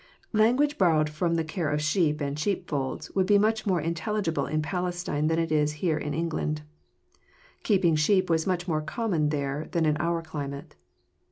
Language borrowed ftom the care of sheep and sheepfolds would be much more intelligible in Palestine than it is here in England. Keeping sheep was much more common there than in our climate.